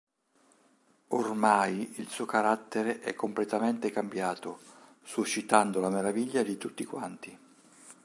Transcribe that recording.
Ormai il suo carattere è completamente cambiato, suscitando la meraviglia di tutti quanti.